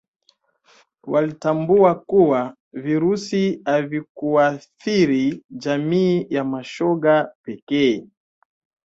walitambua kuwa virusi havikuathiri jamii ya mashoga pekee